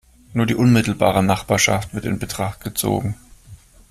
Nur die unmittelbare Nachbarschaft wird in Betracht gezogen.